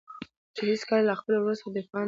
چې هېڅکله له خپل ورور څخه دفاع نه کوم.